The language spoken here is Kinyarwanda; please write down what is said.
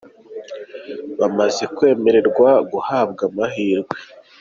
bamaze kwemererwa guhabwa amahirwe.